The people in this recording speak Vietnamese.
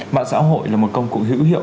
mạng xã hội là một công cụ hữu hiệu